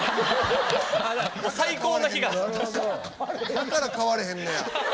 だから変われへんのや。